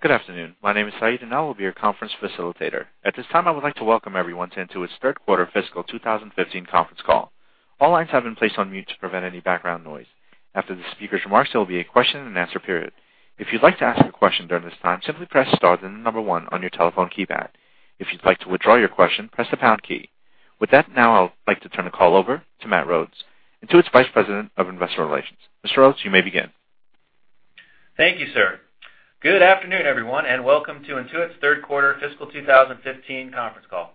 Good afternoon. My name is Saeed, and I will be your conference facilitator. At this time, I would like to welcome everyone to Intuit's third quarter fiscal 2015 conference call. All lines have been placed on mute to prevent any background noise. After the speakers' remarks, there will be a question and answer period. If you'd like to ask a question during this time, simply press star then the number 1 on your telephone keypad. If you'd like to withdraw your question, press the pound key. With that, now, I would like to turn the call over to Matt Rhodes, Intuit's Vice President of Investor Relations. Mr. Rhodes, you may begin. Thank you, sir. Good afternoon, everyone, welcome to Intuit's third quarter fiscal 2015 conference call.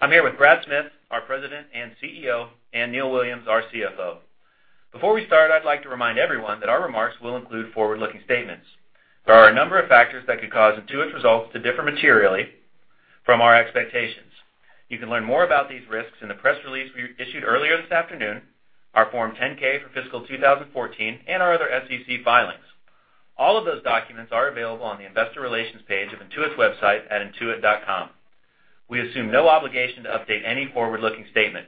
I'm here with Brad Smith, our President and CEO, Neil Williams, our CFO. Before we start, I'd like to remind everyone that our remarks will include forward-looking statements. There are a number of factors that could cause Intuit's results to differ materially from our expectations. You can learn more about these risks in the press release we issued earlier this afternoon, our Form 10-K for fiscal 2014, and our other SEC filings. All of those documents are available on the investor relations page of intuit.com. We assume no obligation to update any forward-looking statement.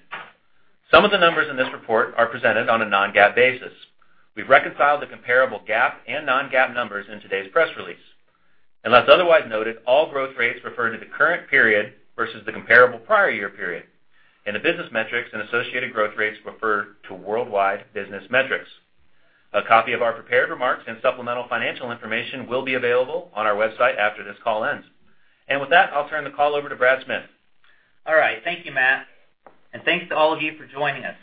Some of the numbers in this report are presented on a non-GAAP basis. We've reconciled the comparable GAAP and non-GAAP numbers in today's press release. Unless otherwise noted, all growth rates refer to the current period versus the comparable prior year period, and the business metrics and associated growth rates refer to worldwide business metrics. A copy of our prepared remarks and supplemental financial information will be available on our website after this call ends. With that, I'll turn the call over to Brad Smith. All right. Thank you, Matt. Thanks to all of you for joining us.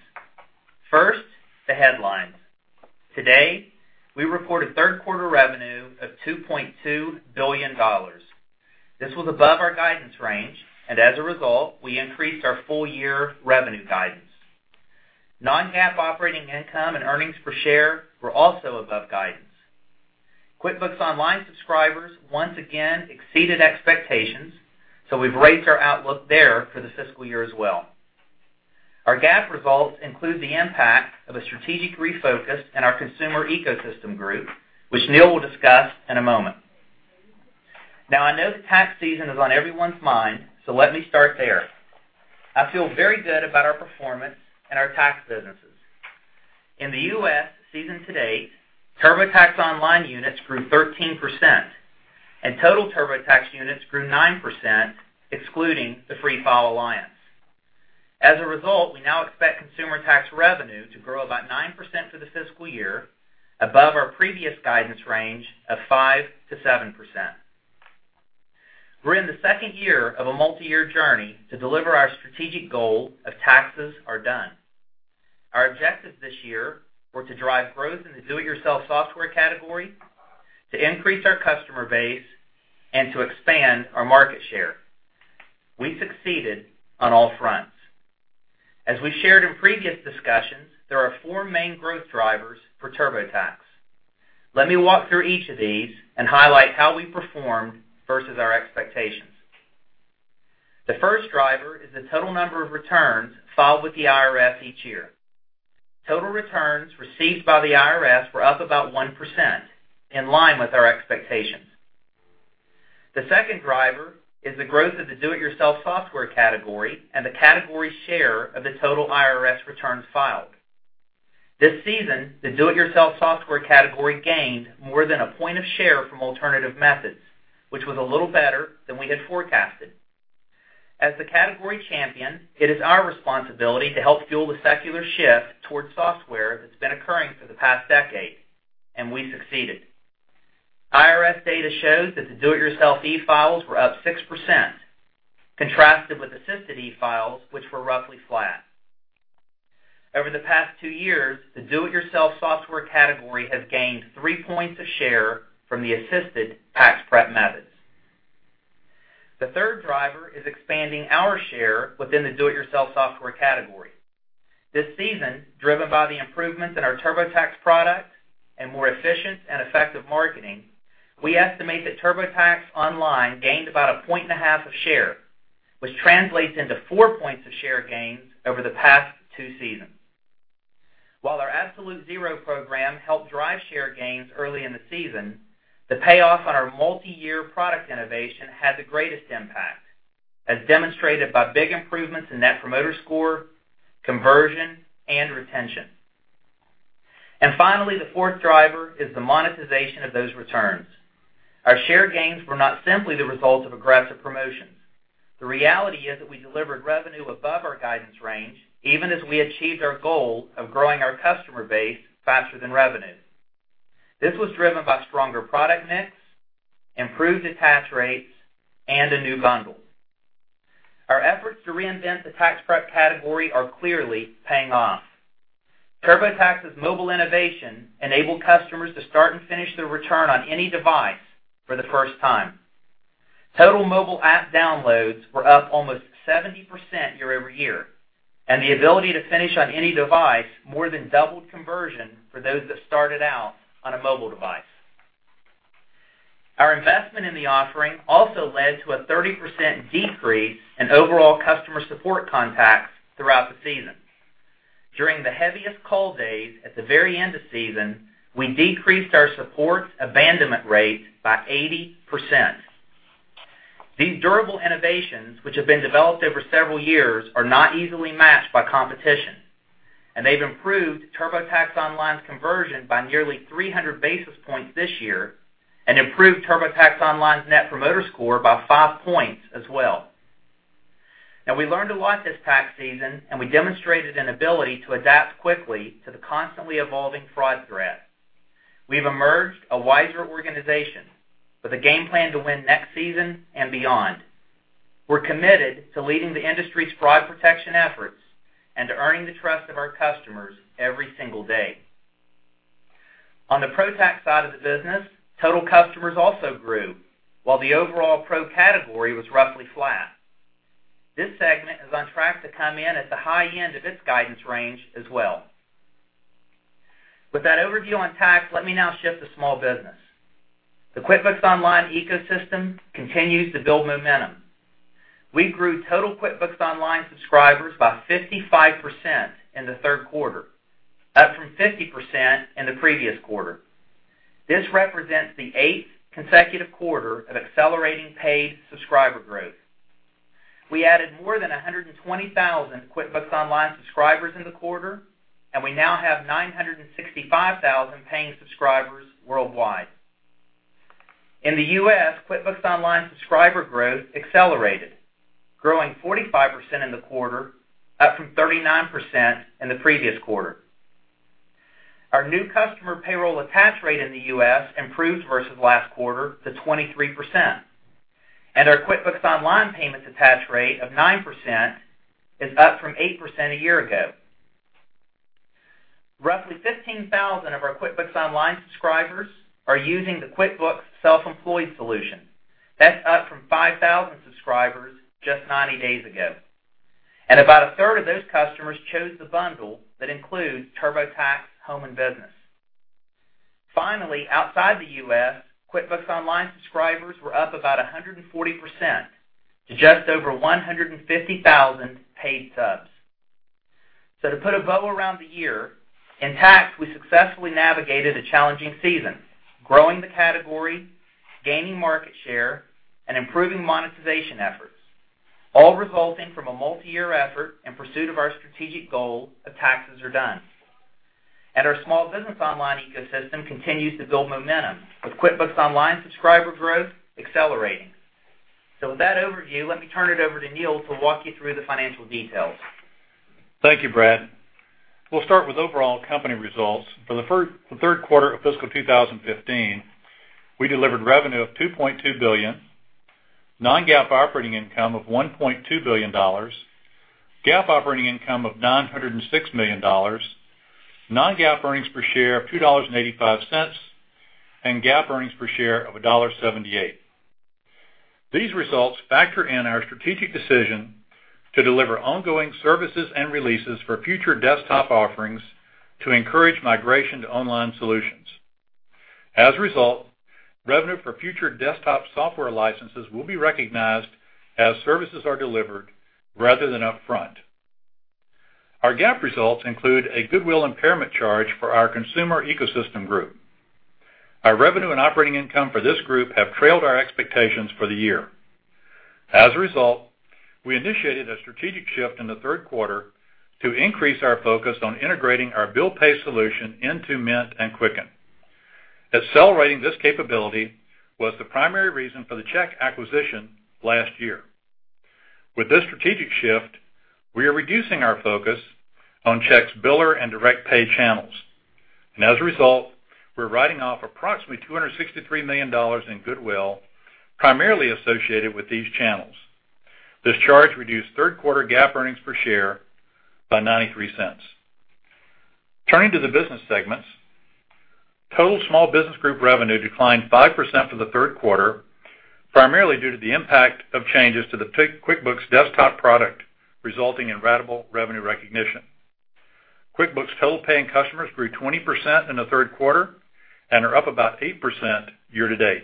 First, the headlines. Today, we reported third-quarter revenue of $2.2 billion. This was above our guidance range, as a result, we increased our full-year revenue guidance. Non-GAAP operating income and earnings per share were also above guidance. QuickBooks Online subscribers once again exceeded expectations, we've raised our outlook there for the fiscal year as well. Our GAAP results include the impact of a strategic refocus in our Consumer Ecosystem Group, which Neil will discuss in a moment. Now, I know that tax season is on everyone's mind, let me start there. I feel very good about our performance and our tax businesses. In the U.S. season to date, TurboTax Online units grew 13%, and total TurboTax units grew 9%, excluding the Free File Alliance. As a result, we now expect consumer tax revenue to grow about 9% for the fiscal year, above our previous guidance range of 5%-7%. We're in the second year of a multi-year journey to deliver our strategic goal of Taxes Are Done. Our objectives this year were to drive growth in the do-it-yourself software category, to increase our customer base, and to expand our market share. We succeeded on all fronts. As we shared in previous discussions, there are four main growth drivers for TurboTax. Let me walk through each of these and highlight how we performed versus our expectations. The first driver is the total number of returns filed with the IRS each year. Total returns received by the IRS were up about 1%, in line with our expectations. The second driver is the growth of the do-it-yourself software category and the category share of the total IRS returns filed. This season, the do-it-yourself software category gained more than a point of share from alternative methods, which was a little better than we had forecasted. As the category champion, it is our responsibility to help fuel the secular shift towards software that's been occurring for the past decade, and we succeeded. IRS data shows that the do-it-yourself e-files were up 6%, contrasted with assisted e-files, which were roughly flat. Over the past two years, the do-it-yourself software category has gained three points of share from the assisted tax prep methods. The third driver is expanding our share within the do-it-yourself software category. This season, driven by the improvements in our TurboTax products and more efficient and effective marketing, we estimate that TurboTax Online gained about a point and a half of share, which translates into four points of share gains over the past two seasons. While our Absolute Zero program helped drive share gains early in the season, the payoff on our multi-year product innovation had the greatest impact, as demonstrated by big improvements in Net Promoter Score, conversion, and retention. Finally, the fourth driver is the monetization of those returns. Our share gains were not simply the result of aggressive promotions. The reality is that we delivered revenue above our guidance range, even as we achieved our goal of growing our customer base faster than revenue. This was driven by stronger product mix, improved attach rates, and a new bundle. Our efforts to reinvent the tax prep category are clearly paying off. TurboTax's mobile innovation enabled customers to start and finish their return on any device for the first time. Total mobile app downloads were up almost 70% year-over-year, and the ability to finish on any device more than doubled conversion for those that started out on a mobile device. Our investment in the offering also led to a 30% decrease in overall customer support contacts throughout the season. During the heaviest call days at the very end of season, we decreased our support abandonment rate by 80%. These durable innovations, which have been developed over several years, are not easily matched by competition, and they've improved TurboTax Online's conversion by nearly 300 basis points this year, and improved TurboTax Online's Net Promoter Score by five points as well. We learned a lot this tax season. We demonstrated an ability to adapt quickly to the constantly evolving fraud threat. We've emerged a wiser organization with a game plan to win next season and beyond. We're committed to leading the industry's fraud protection efforts and to earning the trust of our customers every single day. On the Pro Tax side of the business, total customers also grew, while the overall Pro category was roughly flat. This segment is on track to come in at the high end of its guidance range as well. With that overview on Tax, let me now shift to Small Business. The QuickBooks Online ecosystem continues to build momentum. We grew total QuickBooks Online subscribers by 55% in the third quarter, up from 50% in the previous quarter. This represents the eighth consecutive quarter of accelerating paid subscriber growth. We added more than 120,000 QuickBooks Online subscribers in the quarter. We now have 965,000 paying subscribers worldwide. In the U.S., QuickBooks Online subscriber growth accelerated, growing 45% in the quarter, up from 39% in the previous quarter. Our new customer payroll attach rate in the U.S. improved versus last quarter to 23%, and our QuickBooks Online payments attach rate of 9% is up from 8% a year ago. Roughly 15,000 of our QuickBooks Online subscribers are using the QuickBooks Self-Employed solution. That's up from 5,000 subscribers just 90 days ago. About a third of those customers chose the bundle that includes TurboTax Home & Business. Finally, outside the U.S., QuickBooks Online subscribers were up about 140% to just over 150,000 paid subs. To put a bow around the year, in Tax, we successfully navigated a challenging season, growing the category, gaining market share, and improving monetization efforts, all resulting from a multi-year effort in pursuit of our strategic goal of Taxes Are Done. Our Small Business Online ecosystem continues to build momentum, with QuickBooks Online subscriber growth accelerating. With that overview, let me turn it over to Neil to walk you through the financial details. Thank you, Brad. We'll start with overall company results. For the third quarter of fiscal 2015, we delivered revenue of $2.2 billion, non-GAAP operating income of $1.2 billion, GAAP operating income of $906 million, non-GAAP earnings per share of $2.85, and GAAP earnings per share of $1.78. These results factor in our strategic decision to deliver ongoing services and releases for future desktop offerings to encourage migration to online solutions. As a result, revenue for future desktop software licenses will be recognized as services are delivered rather than upfront. Our GAAP results include a goodwill impairment charge for our Consumer Ecosystem Group. Our revenue and operating income for this group have trailed our expectations for the year. As a result, we initiated a strategic shift in the third quarter to increase our focus on integrating our Bill Pay solution into Mint and Quicken. Accelerating this capability was the primary reason for the Check acquisition last year. With this strategic shift, we are reducing our focus on Check's biller and direct pay channels. As a result, we're writing off approximately $263 million in goodwill, primarily associated with these channels. This charge reduced third quarter GAAP earnings per share by $0.93. Turning to the business segments, total Small Business Group revenue declined 5% for the third quarter, primarily due to the impact of changes to the QuickBooks Desktop product, resulting in ratable revenue recognition. QuickBooks total paying customers grew 20% in the third quarter and are up about 8% year-to-date.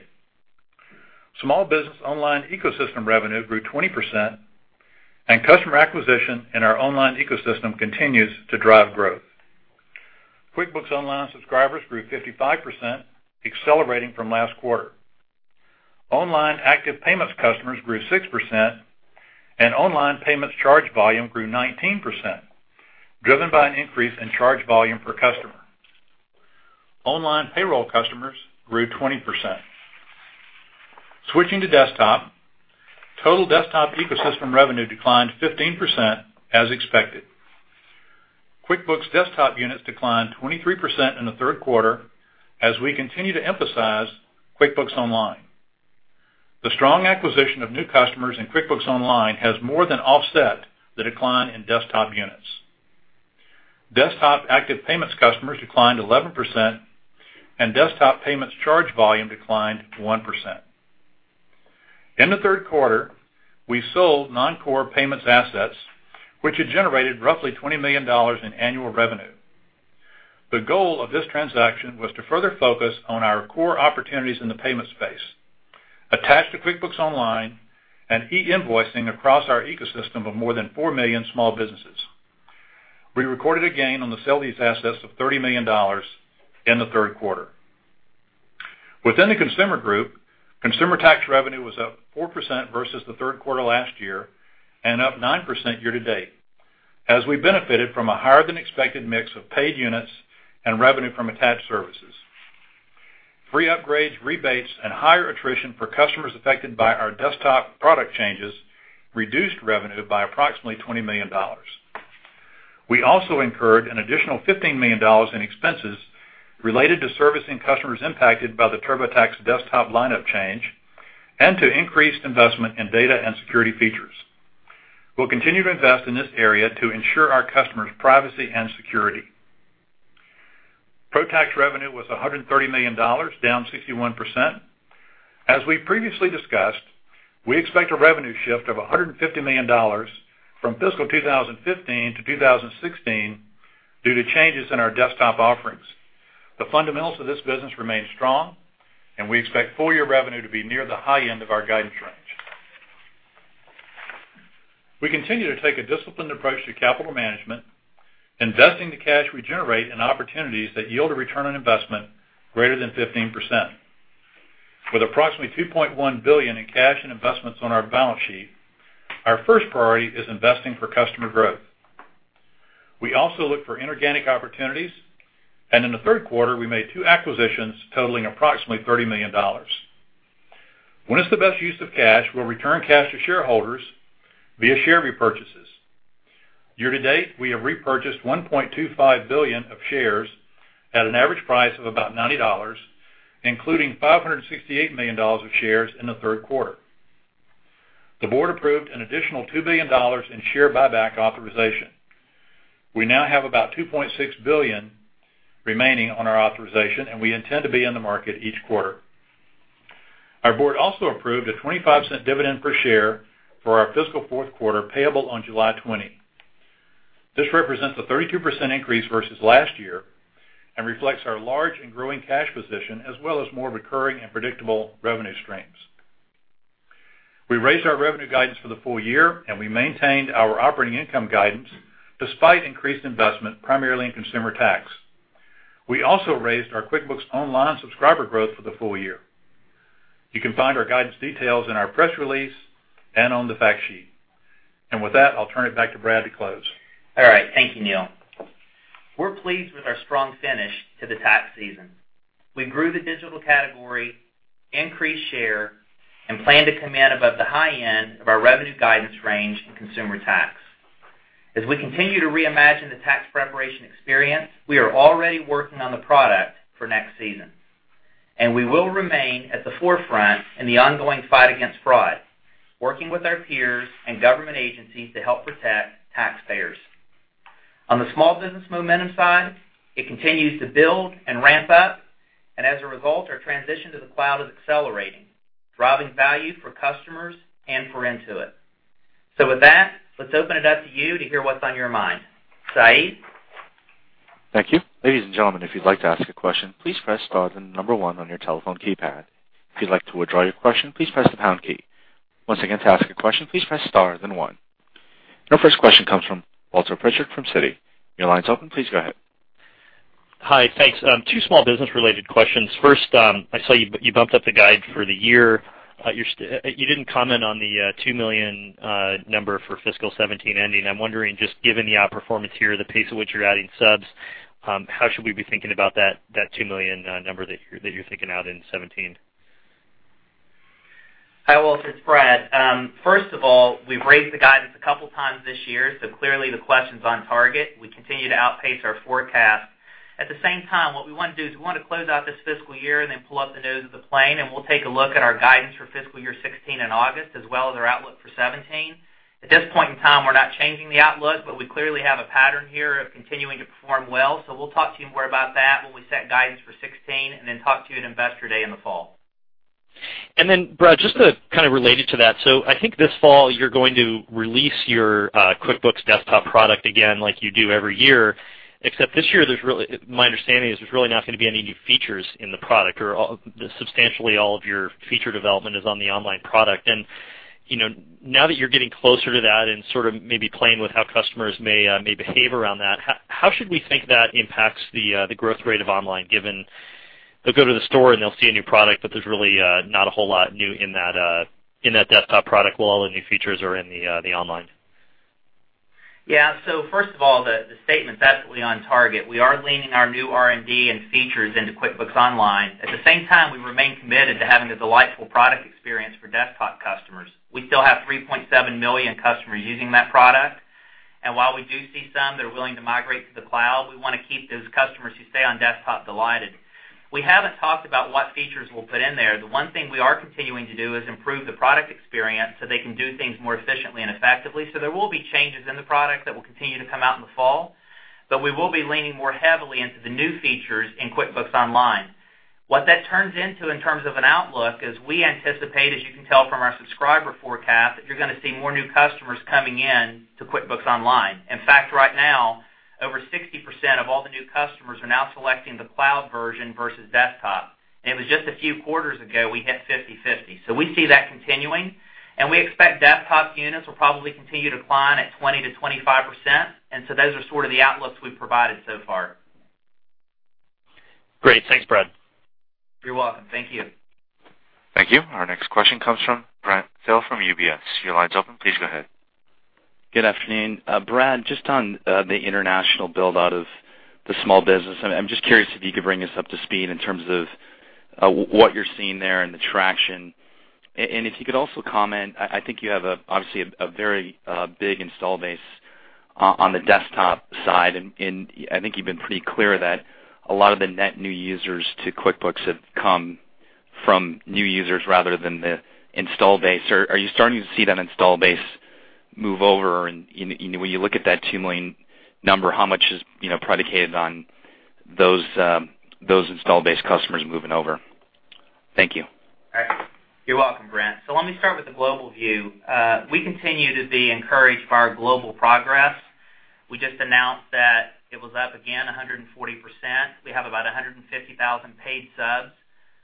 Small Business Online ecosystem revenue grew 20%, and customer acquisition in our online ecosystem continues to drive growth. QuickBooks Online subscribers grew 55%, accelerating from last quarter. Online active payments customers grew 6%, and online payments charge volume grew 19%, driven by an increase in charge volume per customer. Online payroll customers grew 20%. Switching to Desktop, total Desktop ecosystem revenue declined 15%, as expected. QuickBooks Desktop units declined 23% in the third quarter as we continue to emphasize QuickBooks Online. The strong acquisition of new customers in QuickBooks Online has more than offset the decline in Desktop units. Desktop active payments customers declined 11%, and Desktop payments charge volume declined 1%. In the third quarter, we sold non-core payments assets, which had generated roughly $20 million in annual revenue. The goal of this transaction was to further focus on our core opportunities in the payments space, attached to QuickBooks Online and e-invoicing across our ecosystem of more than 4 million small businesses. We recorded a gain on the sale of these assets of $30 million in the third quarter. Within the consumer group, consumer tax revenue was up 4% versus the third quarter last year and up 9% year-to-date, as we benefited from a higher-than-expected mix of paid units and revenue from attached services. Free upgrades, rebates, and higher attrition for customers affected by our desktop product changes reduced revenue by approximately $20 million. We also incurred an additional $15 million in expenses related to servicing customers impacted by the TurboTax Desktop lineup change and to increased investment in data and security features. We'll continue to invest in this area to ensure our customers' privacy and security. Pro Tax revenue was $130 million, down 61%. As we previously discussed, we expect a revenue shift of $150 million from fiscal 2015 to 2016 due to changes in our desktop offerings. The fundamentals of this business remain strong. We expect full-year revenue to be near the high end of our guidance range. We continue to take a disciplined approach to capital management, investing the cash we generate in opportunities that yield a return on investment greater than 15%. With approximately $2.1 billion in cash and investments on our balance sheet, our first priority is investing for customer growth. We also look for inorganic opportunities, and in the third quarter, we made 2 acquisitions totaling approximately $30 million. When it's the best use of cash, we'll return cash to shareholders via share repurchases. Year-to-date, we have repurchased $1.25 billion of shares at an average price of about $90, including $568 million of shares in the third quarter. The board approved an additional $2 billion in share buyback authorization. We now have about $2.6 billion remaining on our authorization, and we intend to be in the market each quarter. Our board also approved a $0.25 dividend per share for our fiscal fourth quarter, payable on July 20. This represents a 32% increase versus last year and reflects our large and growing cash position, as well as more recurring and predictable revenue streams. We raised our revenue guidance for the full year, and we maintained our operating income guidance despite increased investment, primarily in Consumer Tax. We also raised our QuickBooks Online subscriber growth for the full year. You can find our guidance details in our press release and on the fact sheet. With that, I'll turn it back to Brad to close. All right. Thank you, Neil. We're pleased with our strong finish to the tax season. We grew the digital category, increased share, and plan to come in above the high end of our revenue guidance range in Consumer Tax. As we continue to reimagine the tax preparation experience, we are already working on the product for next season. We will remain at the forefront in the ongoing fight against fraud, working with our peers and government agencies to help protect taxpayers. On the Small Business momentum side, it continues to build and ramp up. As a result, our transition to the cloud is accelerating, driving value for customers and for Intuit. With that, let's open it up to you to hear what's on your mind. Saeed? Thank you. Ladies and gentlemen, if you'd like to ask a question, please press star then number 1 on your telephone keypad. If you'd like to withdraw your question, please press the pound key. Once again, to ask a question, please press star then 1. Our first question comes from Walter Pritchard from Citi. Your line's open. Please go ahead. Hi. Thanks. Two Small Business-related questions. First, I saw you bumped up the guide for the year. You didn't comment on the 2 million number for fiscal 2017 ending. I'm wondering, just given the outperformance here, the pace at which you're adding subs, how should we be thinking about that 2 million number that you're thinking out in 2017? Hi, Walter. It's Brad. First of all, we've raised the guidance a couple times this year, Clearly the question's on target. We continue to outpace our forecast. At the same time, what we want to do is we want to close out this fiscal year and then pull up the nose of the plane, and we'll take a look at our guidance for fiscal year 2016 in August, as well as our outlook for 2017. At this point in time, we're not changing the outlook, but we clearly have a pattern here of continuing to perform well. We'll talk to you more about that when we set guidance for 2016 and then talk to you at Investor Day in the fall. Brad, just kind of related to that, I think this fall you're going to release your QuickBooks Desktop product again like you do every year, except this year, my understanding is there's really not going to be any new features in the product or substantially all of your feature development is on the Online product. Now that you're getting closer to that and sort of maybe playing with how customers may behave around that, how should we think that impacts the growth rate of Online, given they'll go to the store, and they'll see a new product, but there's really not a whole lot new in that Desktop product, while all the new features are in the Online? Yeah. First of all, the statement's absolutely on target. We are leaning our new R&D and features into QuickBooks Online. At the same time, we remain committed to having a delightful product experience for Desktop customers. We still have 3.7 million customers using that product. While we do see some that are willing to migrate to the cloud, we want to keep those customers who stay on Desktop delighted. We haven't talked about what features we'll put in there. The one thing we are continuing to do is improve the product experience so they can do things more efficiently and effectively. There will be changes in the product that will continue to come out in the fall, but we will be leaning more heavily into the new features in QuickBooks Online. What that turns into in terms of an outlook is we anticipate, as you can tell from our subscriber forecast, that you're going to see more new customers coming in to QuickBooks Online. In fact, right now, over 60% of all the new customers are now selecting the cloud version versus Desktop. It was just a few quarters ago, we hit 50/50. We see that continuing. We expect Desktop units will probably continue to decline at 20%-25%. Those are sort of the outlooks we've provided so far. Great. Thanks, Brad. You're welcome. Thank you. Thank you. Our next question comes from Brent Thill from UBS. Your line's open. Please go ahead. Good afternoon. Brad, just on the international build-out of the small business, I'm just curious if you could bring us up to speed in terms of what you're seeing there and the traction. If you could also comment, I think you have, obviously, a very big install base on the desktop side, and I think you've been pretty clear that a lot of the net new users to QuickBooks have come from new users rather than the install base. Are you starting to see that install base move over? When you look at that 2 million number, how much is predicated on those install base customers moving over? Thank you. You're welcome, Brent. Let me start with the global view. We continue to be encouraged by our global progress. We just announced that it was up again 140%. We have about 150,000 paid subs.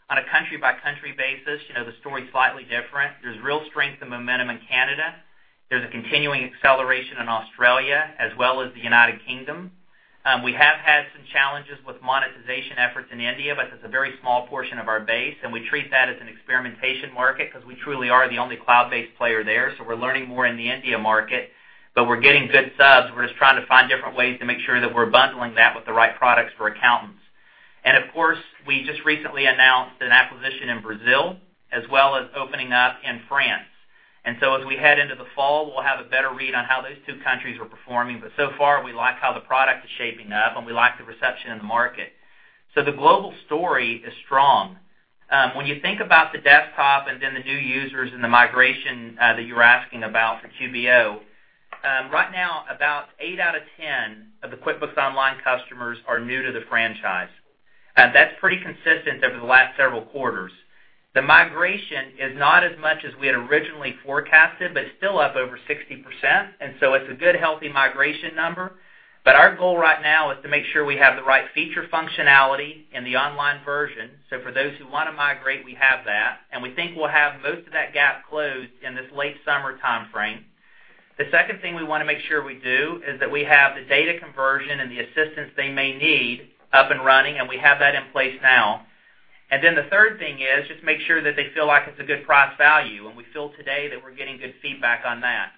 On a country-by-country basis, the story's slightly different. There's real strength and momentum in Canada. There's a continuing acceleration in Australia as well as the U.K. We have had some challenges with monetization efforts in India, but that's a very small portion of our base, and we treat that as an experimentation market because we truly are the only cloud-based player there. We're learning more in the India market, but we're getting good subs. We're just trying to find different ways to make sure that we're bundling that with the right products for accountants. Of course, we just recently announced an acquisition in Brazil, as well as opening up in France. As we head into the fall, we'll have a better read on how those two countries are performing. So far, we like how the product is shaping up, and we like the reception in the market. The global story is strong. When you think about the desktop and then the new users and the migration that you were asking about for QBO, right now about eight out of 10 of the QuickBooks Online customers are new to the franchise. That's pretty consistent over the last several quarters. The migration is not as much as we had originally forecasted, but it's still up over 60%. It's a good, healthy migration number. Our goal right now is to make sure we have the right feature functionality in the online version. For those who want to migrate, we have that, and we think we'll have most of that gap closed in this late summer timeframe. The second thing we want to make sure we do is that we have the data conversion and the assistance they may need up and running, and we have that in place now. The third thing is just make sure that they feel like it's a good price value, and we feel today that we're getting good feedback on that.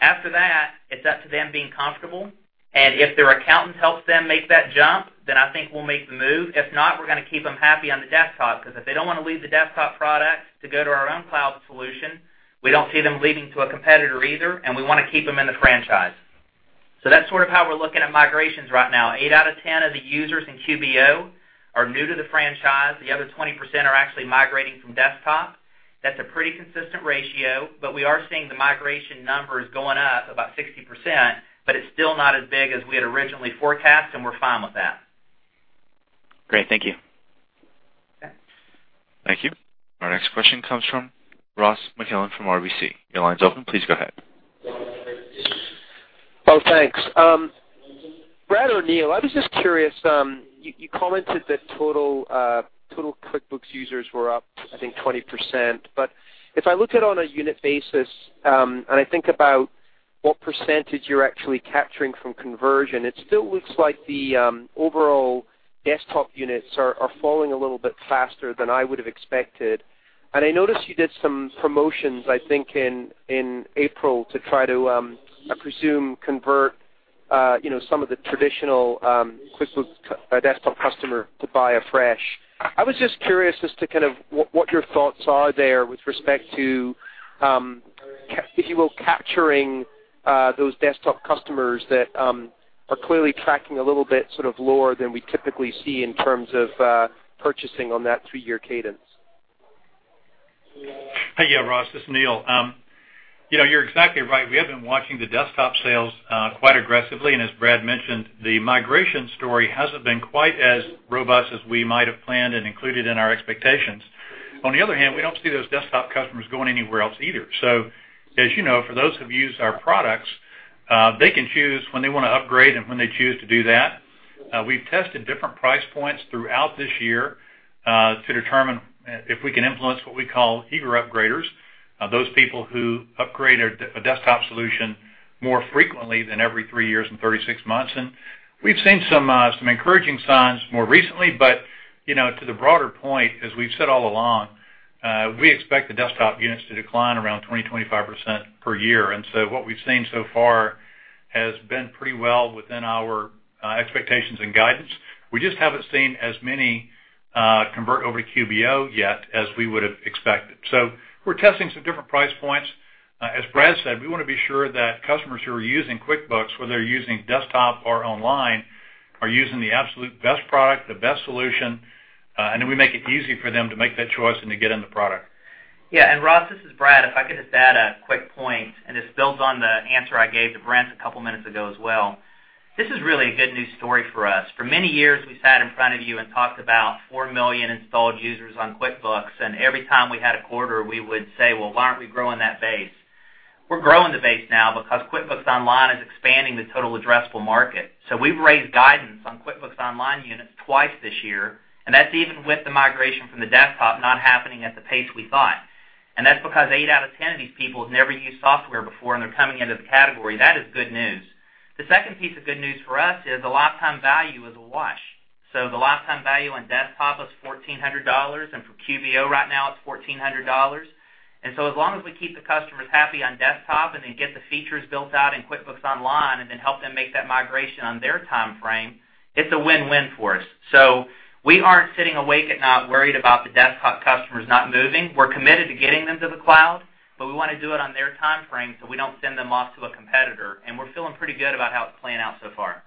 After that, it's up to them being comfortable, and if their accountant helps them make that jump, then I think we'll make the move. If not, we're going to keep them happy on the desktop, because if they don't want to leave the desktop product to go to our own cloud solution, we don't see them leaving to a competitor either, and we want to keep them in the franchise. That's sort of how we're looking at migrations right now. Eight out of 10 of the users in QBO are new to the franchise. The other 20% are actually migrating from desktop. That's a pretty consistent ratio, but we are seeing the migration numbers going up about 60%, but it's still not as big as we had originally forecast, and we're fine with that. Great. Thank you. Okay. Thank you. Our next question comes from Ross MacMillan from RBC. Your line's open. Please go ahead. Oh, thanks. Brad or Neil, I was just curious, you commented that total QuickBooks users were up, I think, 20%, but if I look at it on a unit basis, I think about what percentage you're actually capturing from conversion, it still looks like the overall desktop units are falling a little bit faster than I would have expected. I noticed you did some promotions, I think, in April to try to, I presume, convert some of the traditional QuickBooks Desktop customer to buy afresh. I was just curious as to kind of what your thoughts are there with respect to, if you will, capturing those desktop customers that are clearly tracking a little bit sort of lower than we typically see in terms of purchasing on that three-year cadence. Yeah, Ross, this is Neil. You're exactly right. We have been watching the desktop sales quite aggressively. As Brad mentioned, the migration story hasn't been quite as robust as we might have planned and included in our expectations. We don't see those desktop customers going anywhere else either. As you know, for those who've used our products, they can choose when they want to upgrade and when they choose to do that. We've tested different price points throughout this year to determine if we can influence what we call eager upgraders, those people who upgrade a desktop solution more frequently than every three years and 36 months. We've seen some encouraging signs more recently. To the broader point, as we've said all along, we expect the desktop units to decline around 20%-25% per year. What we've seen so far has been pretty well within our expectations and guidance. We just haven't seen as many convert over to QBO yet as we would have expected. We're testing some different price points. As Brad said, we want to be sure that customers who are using QuickBooks, whether using desktop or online, are using the absolute best product, the best solution, and that we make it easy for them to make that choice and to get in the product. Yeah. Ross, this is Brad. If I could add a quick point, this builds on the answer I gave to Brent a couple of minutes ago as well. This is really a good news story for us. For many years, we sat in front of you and talked about 4 million installed users on QuickBooks, every time we had a quarter, we would say, "Well, why aren't we growing that base?" We're growing the base now because QuickBooks Online is expanding the total addressable market. We've raised guidance on QuickBooks Online units twice this year, that's even with the migration from the desktop not happening at the pace we thought. That's because eight out of 10 of these people have never used software before, they're coming into the category. That is good news. The second piece of good news for us is the lifetime value is a wash. The lifetime value on desktop is $1,400, for QBO right now, it's $1,400. As long as we keep the customers happy on desktop, then get the features built out in QuickBooks Online, then help them make that migration on their timeframe, it's a win-win for us. We aren't sitting awake at night worried about the desktop customers not moving. We're committed to getting them to the cloud, we want to do it on their timeframe, so we don't send them off to a competitor, we're feeling pretty good about how it's playing out so far.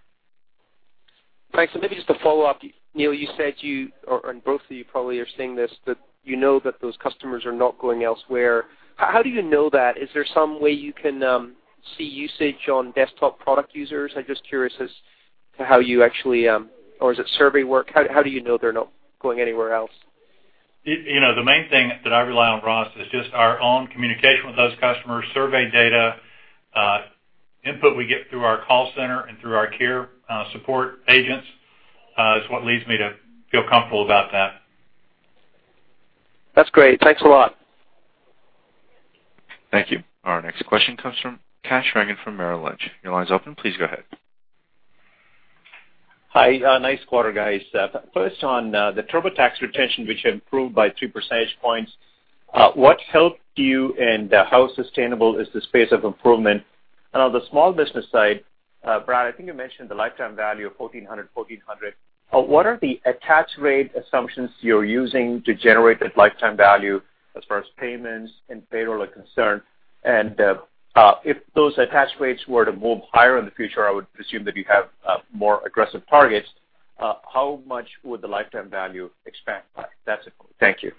Thanks. Maybe just to follow up, Neil, you said you, or both of you probably are saying this, that you know that those customers are not going elsewhere. How do you know that? Is there some way you can see usage on desktop product users? I'm just curious as to how you actually Or is it survey work? How do you know they're not going anywhere else? The main thing that I rely on, Ross, is just our own communication with those customers, survey data, input we get through our call center and through our care support agents, is what leads me to feel comfortable about that. That's great. Thanks a lot. Thank you. Our next question comes from Kash Rangan from Merrill Lynch. Your line's open. Please go ahead. Hi. Nice quarter, guys. First, on the TurboTax retention, which improved by two percentage points, what helped you, and how sustainable is this pace of improvement? On the Small Business Group side, Brad, I think you mentioned the lifetime value of $1,400. What are the attach rate assumptions you're using to generate that lifetime value as far as payments and payroll are concerned? If those attach rates were to move higher in the future, I would presume that you'd have more aggressive targets, how much would the lifetime value expand by? That's it. Thank you.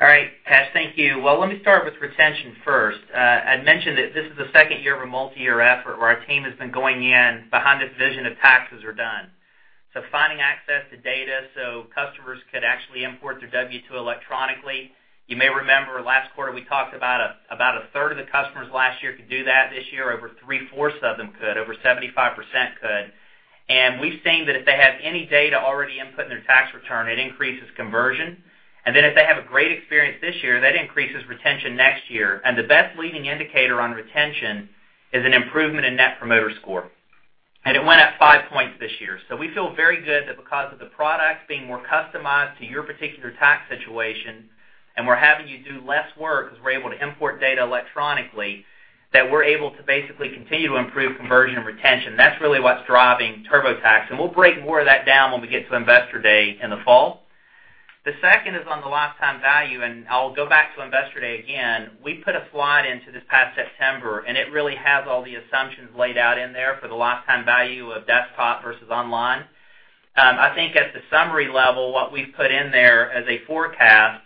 All right. Kash, thank you. Well, let me start with retention first. I'd mentioned that this is the second year of a multi-year effort where our team has been going in behind this vision of Taxes Are Done. Finding access to data so customers could actually import their W-2 electronically. You may remember last quarter, we talked about a third of the customers last year could do that. This year, over three-fourths of them could, over 75% could. We've seen that if they have any data already input in their tax return, it increases conversion. If they have a great experience this year, that increases retention next year. The best leading indicator on retention is an improvement in Net Promoter Score. It went up five points this year. We feel very good that because of the product being more customized to your particular tax situation, and we're having you do less work because we're able to import data electronically, that we're able to basically continue to improve conversion and retention. That's really what's driving TurboTax, and we'll break more of that down when we get to Investor Day in the fall. The second is on the lifetime value, and I'll go back to Investor Day again. We put a slide into this past September, and it really has all the assumptions laid out in there for the lifetime value of Desktop versus online. I think at the summary level, what we've put in there as a forecast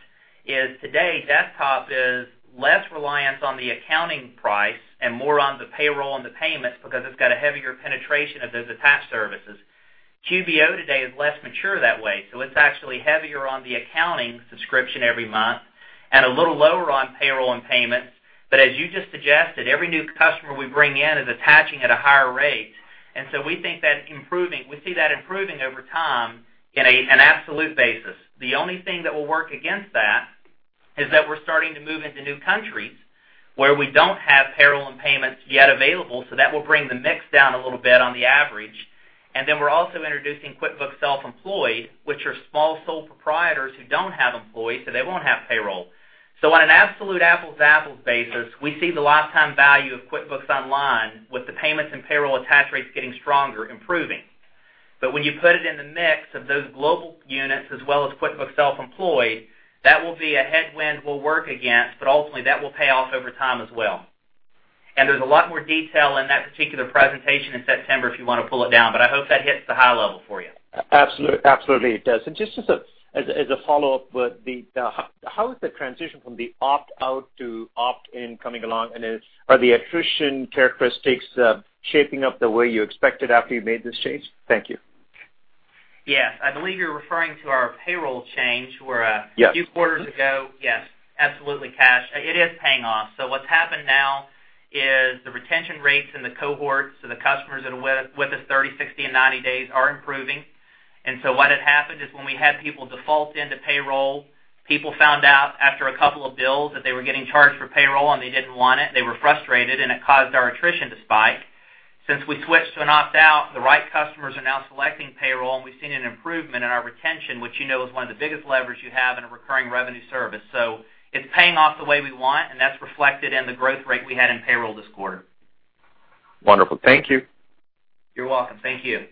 is today, Desktop is less reliant on the accounting price and more on the payroll and the payments because it's got a heavier penetration of those attach services. QBO today is less mature that way, it's actually heavier on the accounting subscription every month and a little lower on payroll and payments. As you just suggested, every new customer we bring in is attaching at a higher rate. We think that's improving. We see that improving over time in an absolute basis. The only thing that will work against that is that we're starting to move into new countries where we don't have payroll and payments yet available, that will bring the mix down a little bit on the average. We're also introducing QuickBooks Self-Employed, which are small sole proprietors who don't have employees, they won't have payroll. On an absolute apples-to-apples basis, we see the lifetime value of QuickBooks Online with the payments and payroll attach rates getting stronger, improving. When you put it in the mix of those global units, as well as QuickBooks Self-Employed, that will be a headwind we'll work against, but ultimately, that will pay off over time as well. There's a lot more detail in that particular presentation in September if you want to pull it down, but I hope that hits the high level for you. Absolutely it does. Just as a follow-up, how is the transition from the opt-out to opt-in coming along? Are the attrition characteristics shaping up the way you expected after you made this change? Thank you. Yes. I believe you're referring to our payroll change where- Yes a few quarters ago. Yes, absolutely, Kash. It is paying off. What's happened now is the retention rates in the cohorts, so the customers that are with us 30, 60, and 90 days are improving. What had happened is when we had people default into payroll, people found out after a couple of bills that they were getting charged for payroll, and they didn't want it. They were frustrated, and it caused our attrition to spike. Since we switched to an opt-out, the right customers are now selecting payroll, and we've seen an improvement in our retention, which you know is one of the biggest levers you have in a recurring revenue service. It's paying off the way we want, and that's reflected in the growth rate we had in payroll this quarter. Wonderful. Thank you. You're welcome. Thank you.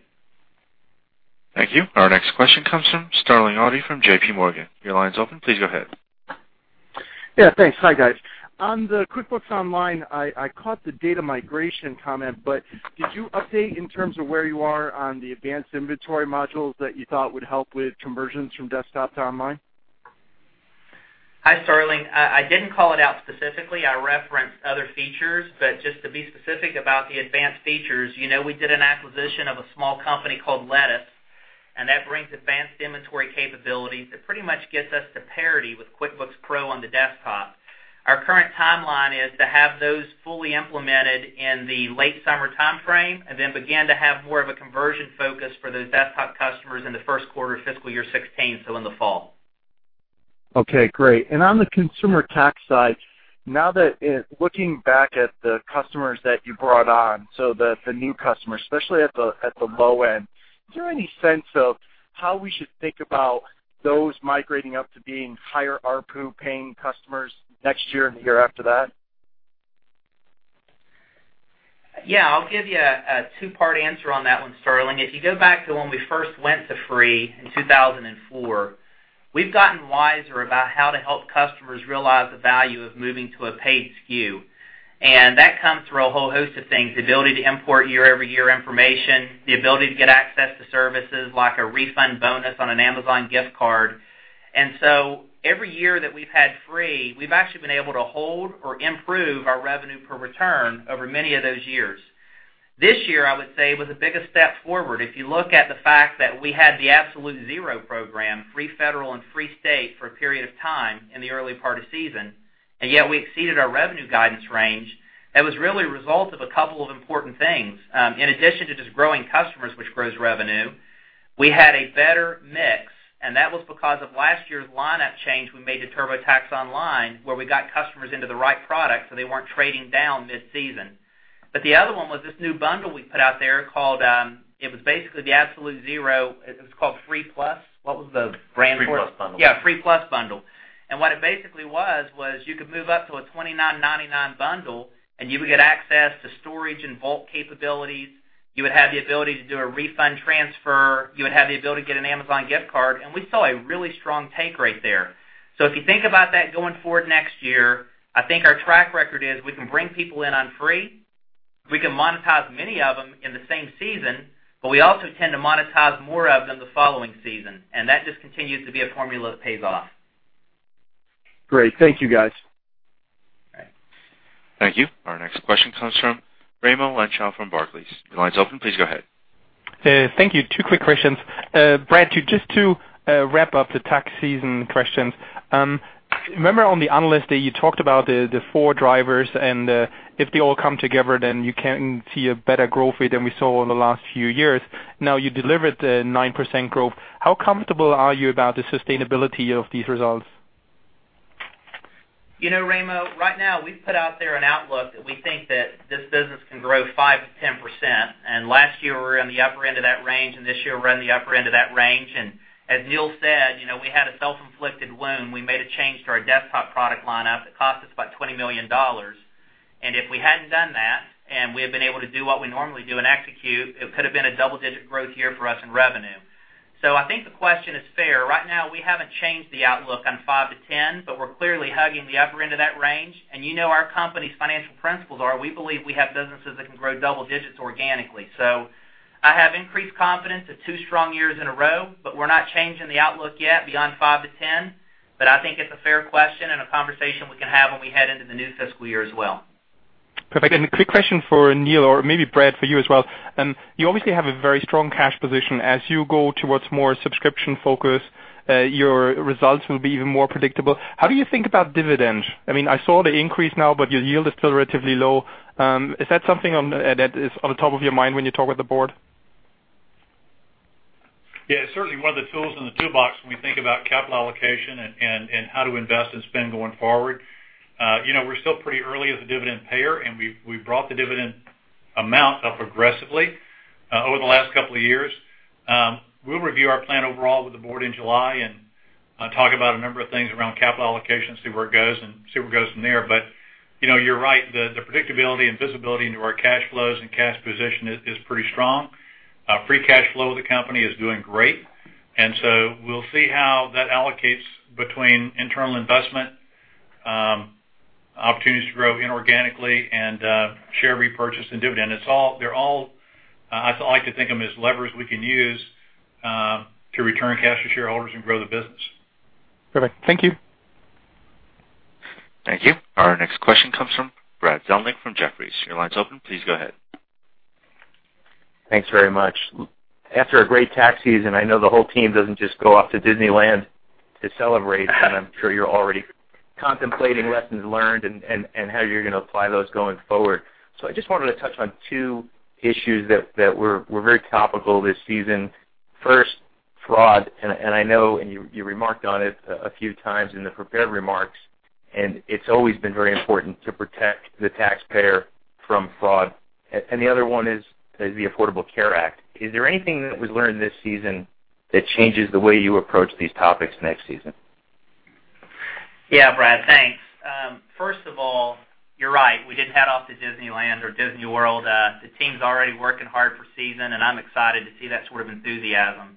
Thank you. Our next question comes from Sterling Auty from JPMorgan. Your line's open. Please go ahead. Thanks. Hi, guys. On the QuickBooks Online, I caught the data migration comment, but did you update in terms of where you are on the advanced inventory modules that you thought would help with conversions from desktop to online? Hi, Sterling. I didn't call it out specifically. I referenced other features, but just to be specific about the advanced features, we did an acquisition of a small company called Lettuce. That brings advanced inventory capabilities that pretty much gets us to parity with QuickBooks Pro on the desktop. Our current timeline is to have those fully implemented in the late summer timeframe, and then begin to have more of a conversion focus for those desktop customers in the first quarter of fiscal year 2016, so in the fall. Okay, great. On the consumer tax side, looking back at the customers that you brought on, so the new customers, especially at the low end, is there any sense of how we should think about those migrating up to being higher ARPU paying customers next year and the year after that? Yeah, I'll give you a two-part answer on that one, Sterling. If you go back to when we first went to free in 2004, we've gotten wiser about how to help customers realize the value of moving to a paid SKU. That comes through a whole host of things, the ability to import year-over-year information, the ability to get access to services like a refund bonus on an Amazon gift card. Every year that we've had free, we've actually been able to hold or improve our revenue per return over many of those years. This year, I would say, was the biggest step forward. If you look at the fact that we had the Absolute Zero program, free federal and free state for a period of time in the early part of season, yet we exceeded our revenue guidance range, that was really a result of a couple of important things. In addition to just growing customers, which grows revenue, we had a better mix, and that was because of last year's lineup change we made to TurboTax Online, where we got customers into the right product, so they weren't trading down this season. The other one was this new bundle we put out there. It was basically the Absolute Zero. It was called Free Plus. What was the brand for it? Free Plus bundle. Free Plus bundle. What it basically was you could move up to a $29.99 bundle, and you would get access to storage and vault capabilities. You would have the ability to do a refund transfer. You would have the ability to get an Amazon gift card. We saw a really strong take rate there. If you think about that going forward next year, I think our track record is we can bring people in on free. We can monetize many of them in the same season, but we also tend to monetize more of them the following season, and that just continues to be a formula that pays off. Great. Thank you, guys. Thank you. Our next question comes from Raimo Lenschow from Barclays. Your line's open. Please go ahead. Thank you. Two quick questions. Brad, just to wrap up the tax season questions. Remember on the analyst day, you talked about the four drivers, and if they all come together, then you can see a better growth rate than we saw over the last few years. You delivered the 9% growth. How comfortable are you about the sustainability of these results? Raimo, right now, we've put out there an outlook that we think that this business can grow 5%-10%. Last year, we were in the upper end of that range, and this year, we're in the upper end of that range. As Neil said, we had a self-inflicted wound. We made a change to our desktop product lineup that cost us about $20 million. If we hadn't done that, and we had been able to do what we normally do and execute, it could have been a double-digit growth year for us in revenue. I think the question is fair. Right now, we haven't changed the outlook on 5%-10%, but we're clearly hugging the upper end of that range, you know our company's financial principles are, we believe we have businesses that can grow double digits organically. I have increased confidence of two strong years in a row. We're not changing the outlook yet beyond 5%-10%, but I think it's a fair question and a conversation we can have when we head into the new fiscal year as well. Perfect. A quick question for Neil or maybe Brad, for you as well. You obviously have a very strong cash position. As you go towards more subscription focus, your results will be even more predictable. How do you think about dividends? I saw the increase now, but your yield is still relatively low. Is that something that is on the top of your mind when you talk with the board? It's certainly one of the tools in the toolbox when we think about capital allocation and how to invest and spend going forward. We're still pretty early as a dividend payer, and we've brought the dividend amount up aggressively over the last couple of years. We'll review our plan overall with the board in July and talk about a number of things around capital allocation, see where it goes and see where it goes from there. You're right. The predictability and visibility into our cash flows and cash position is pretty strong. Free cash flow of the company is doing great. We'll see how that allocates between internal investment, opportunities to grow inorganically, and share repurchase and dividend. I like to think of them as levers we can use to return cash to shareholders and grow the business. Perfect. Thank you. Thank you. Our next question comes from Brad Zelnick from Jefferies. Your line's open. Please go ahead. Thanks very much. After a great tax season, I know the whole team doesn't just go off to Disneyland to celebrate, and I'm sure you're already contemplating lessons learned and how you're going to apply those going forward. I just wanted to touch on two issues that were very topical this season. First, fraud, I know, you remarked on it a few times in the prepared remarks, and it's always been very important to protect the taxpayer from fraud. The other one is the Affordable Care Act. Is there anything that was learned this season that changes the way you approach these topics next season? Yeah, Brad, thanks. First of all, you're right. We didn't head off to Disneyland or Disney World. The team's already working hard for season, and I'm excited to see that sort of enthusiasm.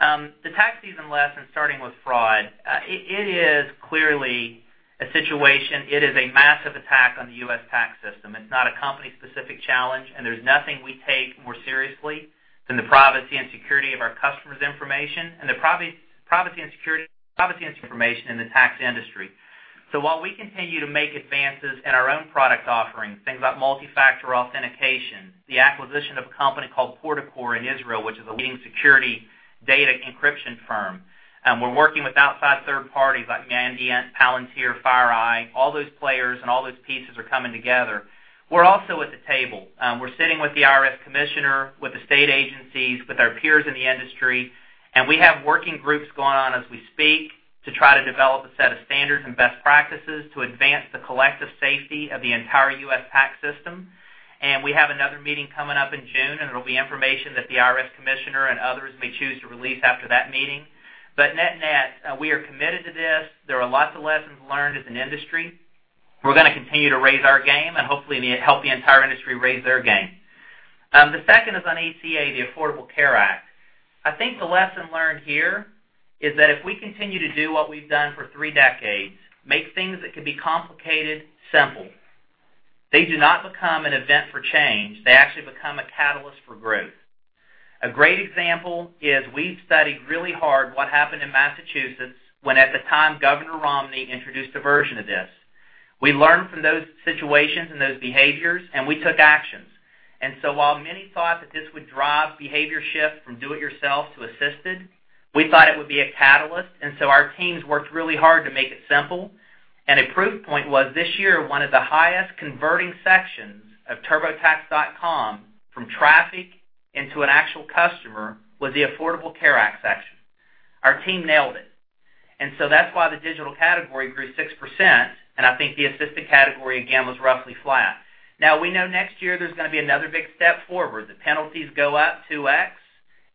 The tax season lesson, starting with fraud, it is clearly a situation. It is a massive attack on the U.S. tax system. It's not a company-specific challenge, and there's nothing we take more seriously than the privacy and security of our customers' information and the privacy and security of information in the tax industry. While we continue to make advances in our own product offerings, things like multi-factor authentication, the acquisition of a company called Porticor in Israel, which is a leading security data encryption firm, and we're working with outside third parties like Mandiant, Palantir, FireEye, all those players and all those pieces are coming together. We're also at the table. We're sitting with the IRS Commissioner, with the state agencies, with our peers in the industry, we have working groups going on as we speak to try to develop a set of standards and best practices to advance the collective safety of the entire U.S. tax system. We have another meeting coming up in June, there'll be information that the IRS Commissioner and others may choose to release after that meeting. Net, we are committed to this. There are lots of lessons learned as an industry. We're going to continue to raise our game and hopefully help the entire industry raise their game. The second is on ACA, the Affordable Care Act. I think the lesson learned here is that if we continue to do what we've done for three decades, make things that could be complicated, simple. They do not become an event for change. They actually become a catalyst for growth. A great example is we've studied really hard what happened in Massachusetts when, at the time, Governor Romney introduced a version of this. We learned from those situations and those behaviors, and we took actions. While many thought that this would drive behavior shift from do it yourself to assisted, we thought it would be a catalyst, and so our teams worked really hard to make it simple. A proof point was this year, one of the highest converting sections of turbotax.com from traffic into an actual customer was the Affordable Care Act section. Our team nailed it, and so that's why the digital category grew 6%, and I think the assisted category, again, was roughly flat. We know next year there's going to be another big step forward. The penalties go up 2X.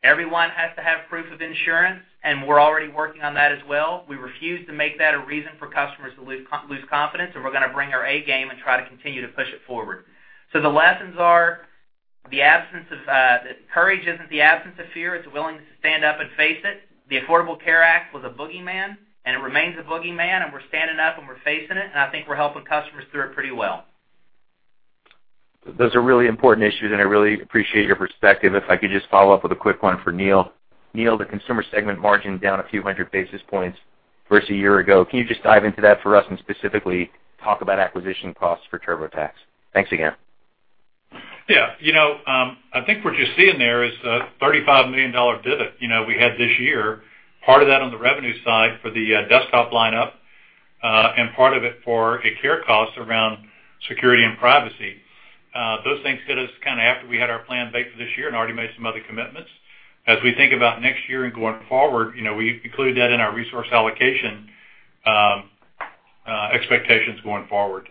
Everyone has to have proof of insurance, and we're already working on that as well. We refuse to make that a reason for customers to lose confidence, and we're going to bring our A game and try to continue to push it forward. The lessons are courage isn't the absence of fear, it's a willingness to stand up and face it. The Affordable Care Act was a boogeyman, and it remains a boogeyman, and we're standing up, and we're facing it, and I think we're helping customers through it pretty well. Those are really important issues, and I really appreciate your perspective. If I could just follow up with a quick one for Neil. Neil, the consumer segment margin down a few hundred basis points versus a year ago. Can you just dive into that for us and specifically talk about acquisition costs for TurboTax? Thanks again. I think what you're seeing there is a $35 million divot we had this year, part of that on the revenue side for the desktop lineup, and part of it for a care cost around security and privacy. Those things hit us after we had our plan baked for this year and already made some other commitments. As we think about next year and going forward, we've included that in our resource allocation expectations going forward.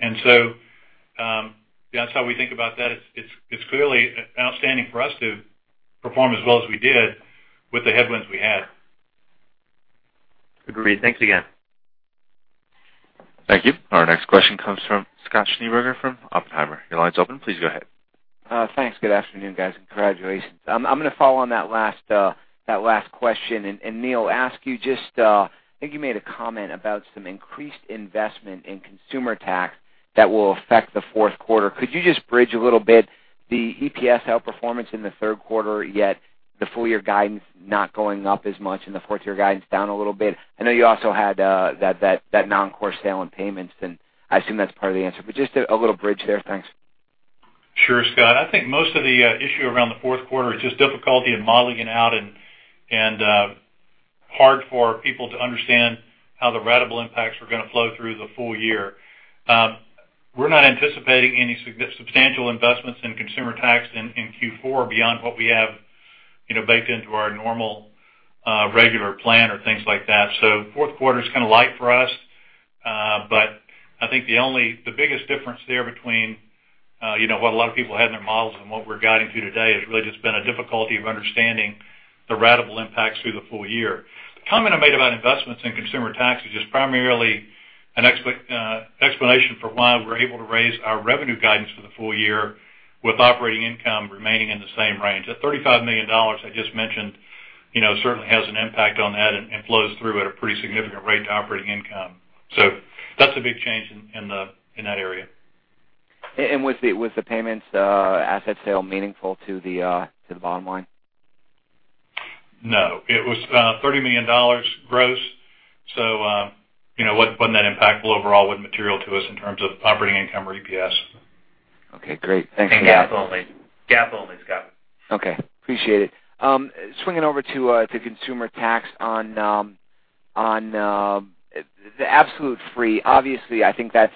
That's how we think about that. It's clearly outstanding for us to perform as well as we did with the headwinds we had. Agreed. Thanks again. Thank you. Our next question comes from Scott Schneeberger from Oppenheimer. Your line's open. Please go ahead. Thanks. Good afternoon, guys. Congratulations. I'm going to follow on that last question, Neil, ask you just, I think you made a comment about some increased investment in consumer tax that will affect the fourth quarter. Could you just bridge a little bit the EPS outperformance in the third quarter, yet the full year guidance not going up as much and the fourth quarter guidance down a little bit? I know you also had that non-core sale in payments, and I assume that's part of the answer, but just a little bridge there. Thanks. Sure, Scott. I think most of the issue around the fourth quarter is just difficulty in modeling it out and hard for people to understand how the ratable impacts were going to flow through the full year. We're not anticipating any substantial investments in consumer tax in Q4 beyond what we have baked into our normal, regular plan or things like that. Fourth quarter's kind of light for us, but I think the biggest difference there between what a lot of people had in their models and what we're guiding to today has really just been a difficulty of understanding the ratable impacts through the full year. The comment I made about investments in consumer tax is just primarily an explanation for why we're able to raise our revenue guidance for the full year with operating income remaining in the same range. That $35 million I just mentioned certainly has an impact on that and flows through at a pretty significant rate to operating income. That's a big change in that area. Was the payments asset sale meaningful to the bottom line? No, it was $30 million gross, it wasn't that impactful overall, wasn't material to us in terms of operating income or EPS. Okay, great. Thanks for that. GAAP only. GAAP only, Scott. Okay, appreciate it. Swinging over to Consumer Tax on the Absolute Zero, obviously, I think that's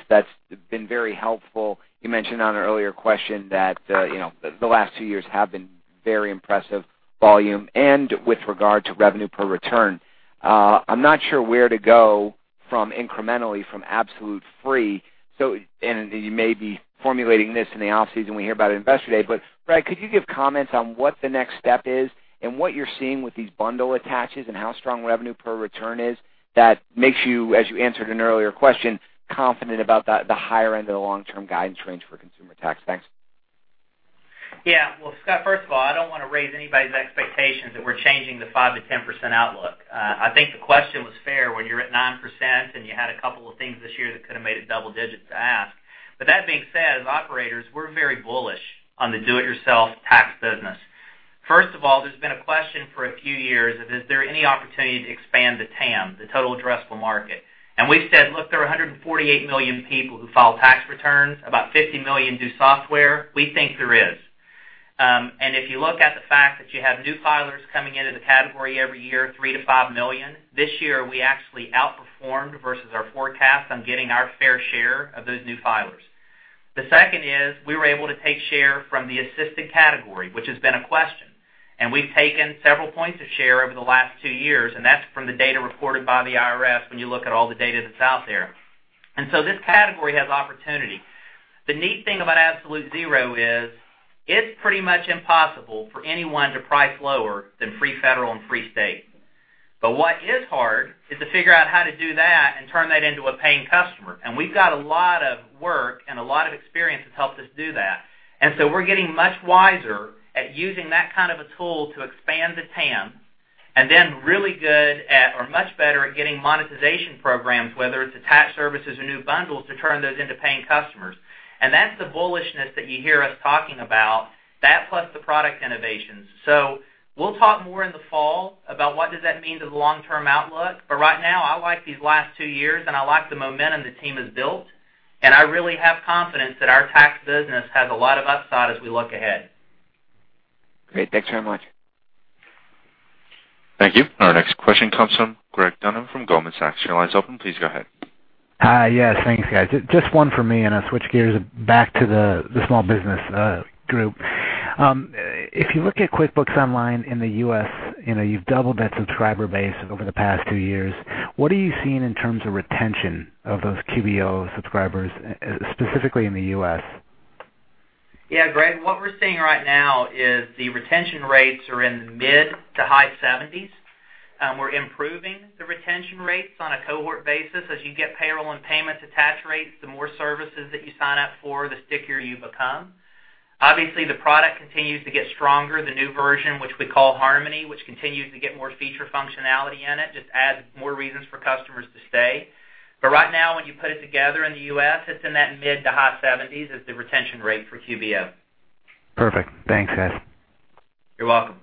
been very helpful. You mentioned on an earlier question that the last two years have been very impressive volume and with regard to revenue per return. I'm not sure where to go from incrementally from Absolute Zero. You may be formulating this in the off-season, we hear about it in Investor Day, but Brad, could you give comments on what the next step is and what you're seeing with these bundle attaches and how strong revenue per return is that makes you, as you answered an earlier question, confident about the higher end of the long-term guidance range for Consumer Tax? Thanks. Yeah. Well, Scott, first of all, I don't want to raise anybody's expectations that we're changing the 5%-10% outlook. I think the question was fair when you're at 9% and you had a couple of things this year that could have made it double digits to ask. That being said, as operators, we're very bullish on the do-it-yourself tax business. First of all, there's been a question for a few years of, is there any opportunity to expand the TAM, the total addressable market? We've said, look, there are 148 million people who file tax returns. About 50 million do software. We think there is. If you look at the fact that you have new filers coming into the category every year, 3 million-5 million, this year, we actually outperformed versus our forecast on getting our fair share of those new filers. The second is, we were able to take share from the assisted category, which has been a question, and we've taken several points of share over the last two years, and that's from the data reported by the IRS when you look at all the data that's out there. This category has opportunity. The neat thing about Absolute Zero is it's pretty much impossible for anyone to price lower than free federal and free state. What is hard is to figure out how to do that and turn that into a paying customer. We've got a lot of work, and a lot of experience has helped us do that. We're getting much wiser at using that kind of a tool to expand the TAM, and then really good at or much better at getting monetization programs, whether it's attached services or new bundles to turn those into paying customers. That's the bullishness that you hear us talking about, that plus the product innovations. We'll talk more in the fall about what does that mean to the long-term outlook. Right now, I like these last two years, and I like the momentum the team has built, and I really have confidence that our tax business has a lot of upside as we look ahead. Great. Thanks very much. Thank you. Our next question comes from Greg Dunham from Goldman Sachs. Your line is open. Please go ahead. Hi. Yes, thanks, guys. Just one for me, and I'll switch gears back to the Small Business Group. If you look at QuickBooks Online in the U.S., you've doubled that subscriber base over the past two years. What are you seeing in terms of retention of those QBO subscribers, specifically in the U.S.? Yeah, Greg, what we're seeing right now is the retention rates are in the mid to high 70s. We're improving the retention rates on a cohort basis. As you get payroll and payments attached rates, the more services that you sign up for, the stickier you become. Obviously, the product continues to get stronger. The new version, which we call Harmony, which continues to get more feature functionality in it, just adds more reasons for customers to stay. Right now, when you put it together in the U.S., it's in that mid to high 70s as the retention rate for QBO. Perfect. Thanks, guys. You're welcome.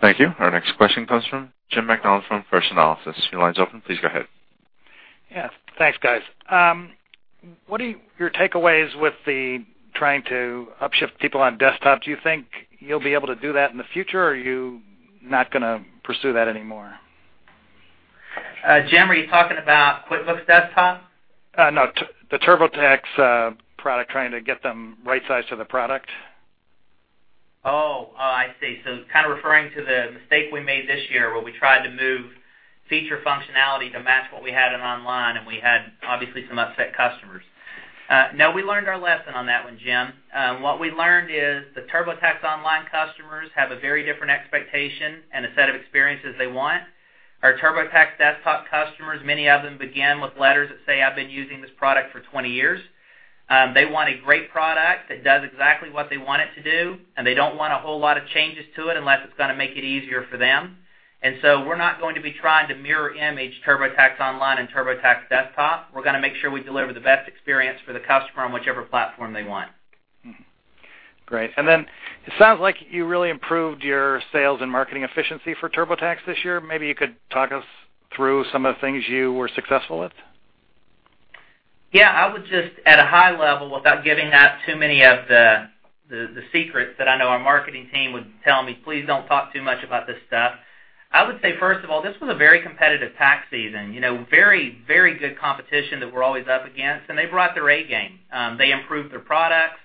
Thank you. Our next question comes from Jim Macdonald from First Analysis. Your line is open. Please go ahead. Yeah. Thanks, guys. What are your takeaways with the trying to upshift people on Desktop? Do you think you'll be able to do that in the future, or are you not going to pursue that anymore? Jim, are you talking about QuickBooks Desktop? No, the TurboTax product, trying to get them right-sized to the product. I see. Kind of referring to the mistake we made this year where we tried to move feature functionality to match what we had in Online, and we had, obviously, some upset customers. No, we learned our lesson on that one, Jim. What we learned is the TurboTax Online customers have a very different expectation and a set of experiences they want. Our TurboTax Desktop customers, many of them begin with letters that say, "I've been using this product for 20 years." They want a great product that does exactly what they want it to do, and they don't want a whole lot of changes to it unless it's going to make it easier for them. We're not going to be trying to mirror image TurboTax Online and TurboTax Desktop. We're going to make sure we deliver the best experience for the customer on whichever platform they want. Great. It sounds like you really improved your sales and marketing efficiency for TurboTax this year. Maybe you could talk us through some of the things you were successful with. Yeah, I would just at a high level, without giving out too many of the secrets that I know our marketing team would tell me, please don't talk too much about this stuff. I would say, first of all, this was a very competitive tax season, very good competition that we're always up against, and they brought their A game. They improved their products.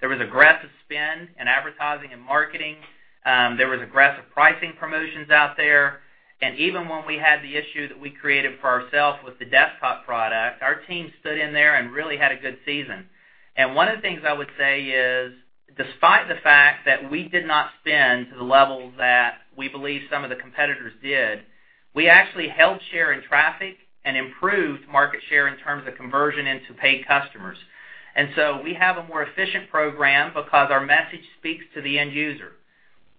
There was aggressive spend in advertising and marketing. There was aggressive pricing promotions out there, and even when we had the issue that we created for ourselves with the desktop product, our team stood in there and really had a good season. One of the things I would say is, despite the fact that we did not spend to the levels that we believe some of the competitors did, we actually held share in traffic and improved market share in terms of conversion into paid customers. We have a more efficient program because our message speaks to the end user.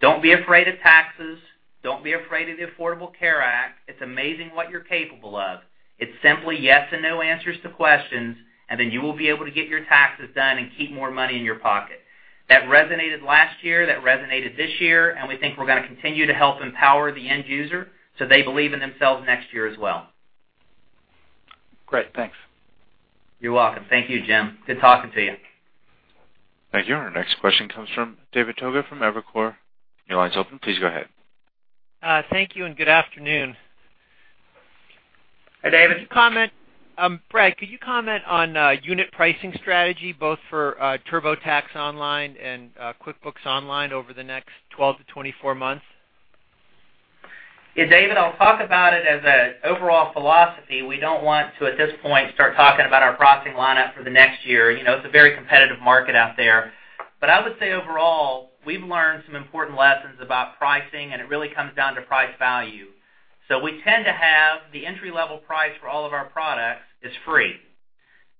Don't be afraid of taxes. Don't be afraid of the Affordable Care Act. It's amazing what you're capable of. It's simply yes and no answers to questions, and then you will be able to get your taxes done and keep more money in your pocket. That resonated last year. That resonated this year, and we think we're going to continue to help empower the end user so they believe in themselves next year as well. Great, thanks. You're welcome. Thank you, Jim. Good talking to you. Thank you. Our next question comes from David Togut from Evercore. Your line is open. Please go ahead. Thank you, and good afternoon. Hi, David. Brad, could you comment on unit pricing strategy, both for TurboTax Online and QuickBooks Online over the next 12 to 24 months? Yeah, David, I'll talk about it as an overall philosophy. We don't want to, at this point, start talking about our pricing lineup for the next year. It's a very competitive market out there. I would say overall, we've learned some important lessons about pricing, and it really comes down to price value. We tend to have the entry-level price for all of our products is free,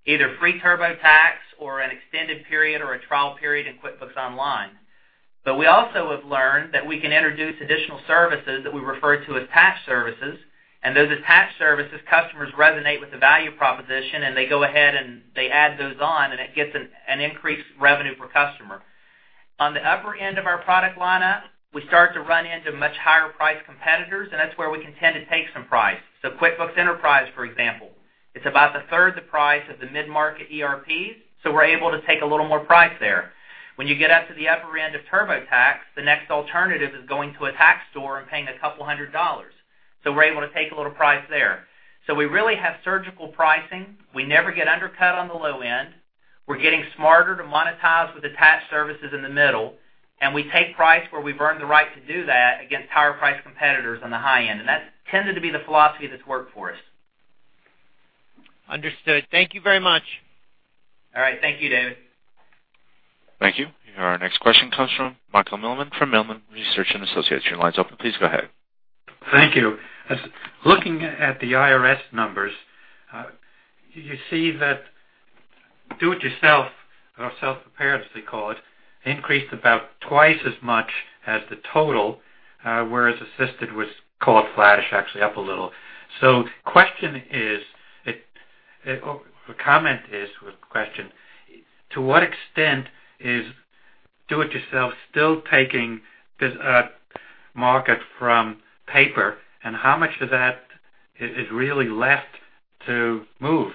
either free TurboTax or an extended period or a trial period in QuickBooks Online. We also have learned that we can introduce additional services that we refer to as attached services. Those attached services, customers resonate with the value proposition, and they go ahead and they add those on, and it gets an increased revenue per customer. On the upper end of our product lineup, we start to run into much higher-priced competitors. That's where we can tend to take some price. QuickBooks Enterprise, for example, it's about a third the price of the mid-market ERPs, so we're able to take a little more price there. When you get up to the upper end of TurboTax, the next alternative is going to a tax store and paying $200. We're able to take a little price there. We really have surgical pricing. We never get undercut on the low end. We're getting smarter to monetize with attached services in the middle. We take price where we've earned the right to do that against higher-priced competitors on the high end. That's tended to be the philosophy that's worked for us. Understood. Thank you very much. All right. Thank you, David. Thank you. Our next question comes from Michael Millman from Millman Research and Associates. Your line's open. Please go ahead. Thank you. Looking at the IRS numbers, you see that do it yourself, or self-prepared, as they call it, increased about twice as much as the total, whereas assisted was call it flattish, actually up a little. The comment is, to what extent is do it yourself still taking this market from paper, and how much of that is really left to move?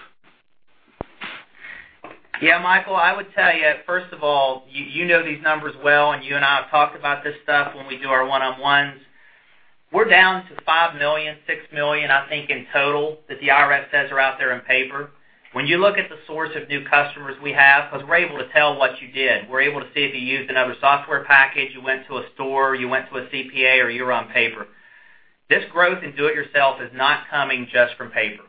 Yeah, Michael, I would tell you, first of all, you know these numbers well, you and I have talked about this stuff when we do our one-on-ones. We're down to 5 million, 6 million, I think, in total that the IRS says are out there on paper. When you look at the source of new customers we have, because we're able to tell what you did. We're able to see if you used another software package, you went to a store, you went to a CPA, or you're on paper. This growth in do it yourself is not coming just from paper.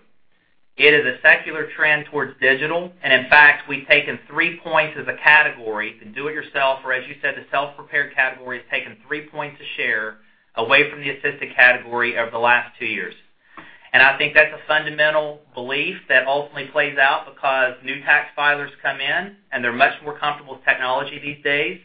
It is a secular trend towards digital. In fact, we've taken three points as a category, the do it yourself, or as you said, the self-prepared category, has taken three points a share away from the assisted category over the last two years. I think that's a fundamental belief that ultimately plays out because new tax filers come in, and they're much more comfortable with technology these days.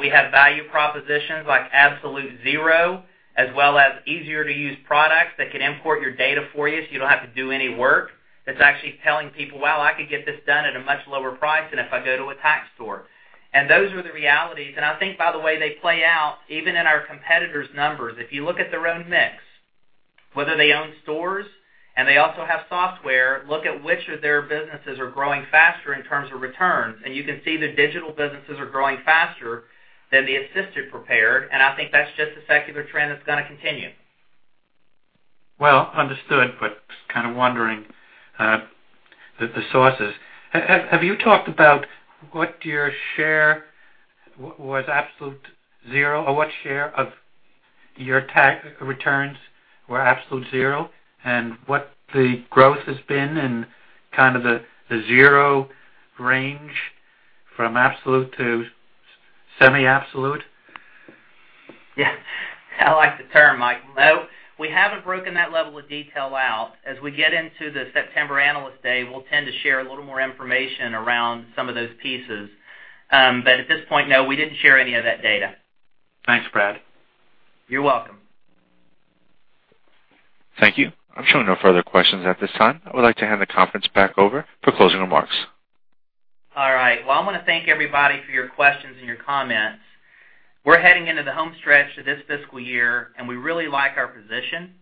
We have value propositions like Absolute Zero, as well as easier-to-use products that can import your data for you so you don't have to do any work. That's actually telling people, "Wow, I could get this done at a much lower price than if I go to a tax store." Those are the realities. I think, by the way, they play out even in our competitors' numbers. If you look at their own mix, whether they own stores and they also have software, look at which of their businesses are growing faster in terms of returns, and you can see the digital businesses are growing faster than the assisted prepared. I think that's just a secular trend that's going to continue. Well understood, kind of wondering the sources. Have you talked about what your share was Absolute Zero, or what share of your tax returns were Absolute Zero, and what the growth has been in kind of the zero range from absolute to semi-absolute? Yeah. I like the term, Mike. No, we haven't broken that level of detail out. As we get into the September Analyst Day, we'll tend to share a little more information around some of those pieces. At this point, no, we didn't share any of that data. Thanks, Brad. You're welcome. Thank you. I'm showing no further questions at this time. I would like to hand the conference back over for closing remarks. All right. Well, I want to thank everybody for your questions and your comments. We're heading into the home stretch for this fiscal year, and we really like our position.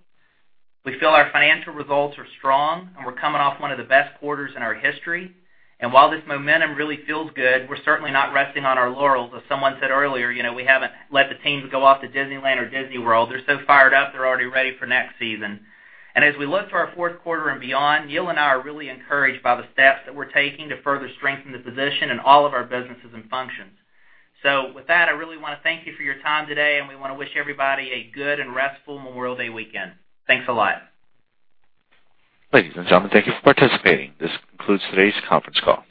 We feel our financial results are strong, and we're coming off one of the best quarters in our history. While this momentum really feels good, we're certainly not resting on our laurels. As someone said earlier, we haven't let the teams go off to Disneyland or Disney World. They're so fired up, they're already ready for next season. As we look to our fourth quarter and beyond, Neil and I are really encouraged by the steps that we're taking to further strengthen the position in all of our businesses and functions. With that, I really want to thank you for your time today, and we want to wish everybody a good and restful Memorial Day weekend. Thanks a lot. Ladies and gentlemen, thank you for participating. This concludes today's conference call.